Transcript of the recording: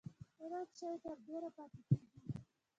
نرم شی تر ډیره پاتې کیږي.